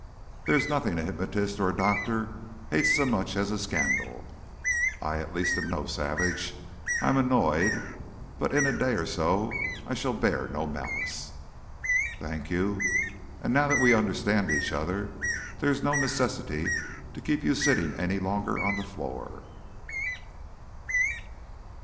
"There is nothing a hypnotist or doctor hates so much as a scandal. I at least am no savage. I am annoyed.... But in a day or so I shall bear no malice...." "Thank you. And now that we understand each other, there is no necessity to keep you sitting any longer on the floor."